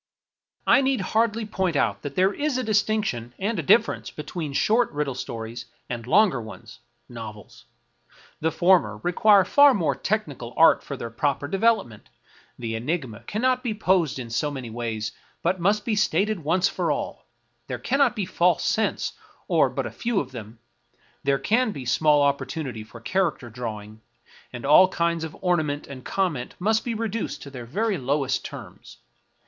I need hardly point out that there is a distinction and a difference between short riddle stories and long ones — novels. The former require far more technical art for their proper development ; the enigma cannot be posed in so many ways, but must be stated once for all ; there cannot be false scents, or but a few of them ; there can be small oppor tunity for character drawing, and all kinds of ornament and comment must be reduced to their very lowest terms.